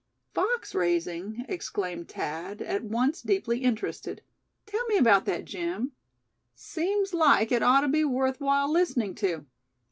"Fox raising?" exclaimed Thad, at once deeply interested. "Tell me about that, Jim. Seems like it ought to be worth while listening to."